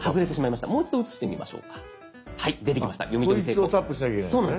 こいつをタップしなきゃいけないんですね